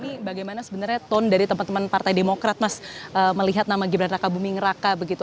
ini bagaimana sebenarnya tone dari teman teman partai demokrat mas melihat nama gibran raka buming raka begitu